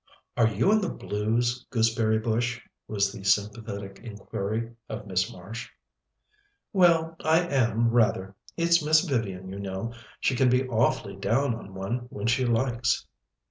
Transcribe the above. "Are you in the blues, Gooseberry bush?" was the sympathetic inquiry of Miss Marsh. "Well, I am, rather. It's Miss Vivian, you know. She can be awfully down on one when she likes."